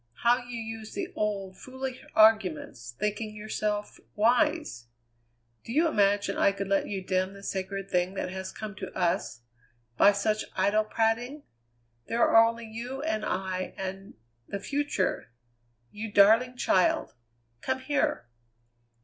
How you use the old, foolish arguments, thinking yourself wise. Do you imagine I could let you dim the sacred thing that has come to us by such idle prating? There are only you and I and the future. You darling child, come here!"